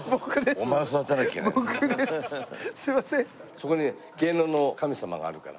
そこに芸能の神様があるから。